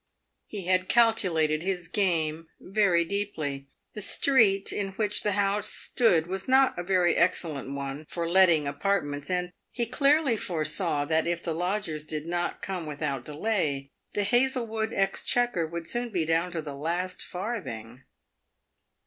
He had calculated his game very deeply. The street in which the house stood was not a very excellent one for letting apartments, and he clearly foresaw that, if the lodgers did not come without delay, the Hazlewood exchequer would soon be down to the last farthing.